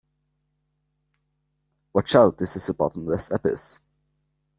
Watch out, this is a bottomless abyss!